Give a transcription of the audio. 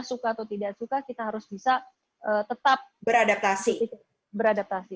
suka atau tidak suka kita harus bisa tetap beradaptasi